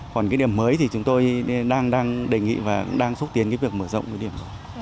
còn cái điểm mới thì chúng tôi đang đề nghị và cũng đang xúc tiến cái việc mở rộng cái điểm rồi